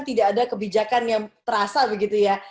tidak ada kebijakan yang terasa begitu ya